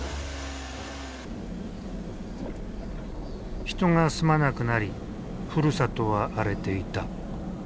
人が住まなくなりふるさとは荒れていた。